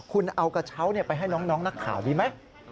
คุณเอากระเช้าไปให้น้องนักข่าวดีไหม